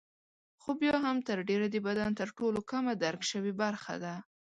خو بیا هم تر ډېره د بدن تر ټولو کمه درک شوې برخه ده.